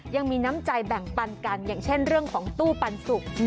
ยังมีน้ำใจแบ่งปันกันอย่างเช่นเรื่องของตู้ปันสุก